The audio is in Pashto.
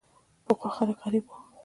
پخوا خلک غریب وو.